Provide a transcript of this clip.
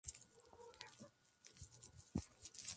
Se encuentra al sur del Aeropuerto de El Hierro.